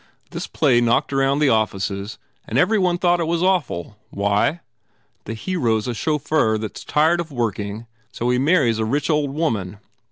This play knocked round the offices and every one thought it was awful. Why? The hero s a chauffeur that s tired of working, so he marries a rich old woman.